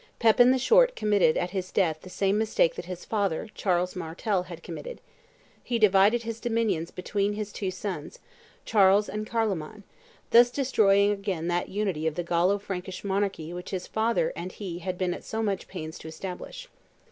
Pepin the Short committed at his death the same mistake that his father, Charles Martel, had committed: he divided his dominions between his two sons, Charles and Carloman, thus destroying again that unity of the Gallo Frankish monarchy which his father and he had been at so much pains to establish.